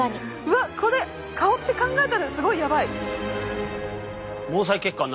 うわこれ顔って考えたらすごいやばい。